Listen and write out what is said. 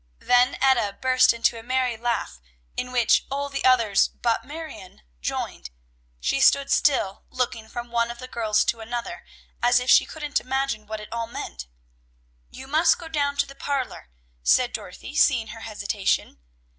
Then Etta burst into a merry laugh, in which all the others but Marion joined: she stood still, looking from one of the girls to another, as if she couldn't imagine what it all meant. "You must go down to the parlor," said Dorothy, seeing her hesitation.